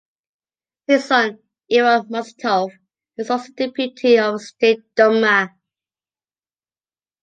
His son, Ivan Musatov, is also a deputy of the State Duma.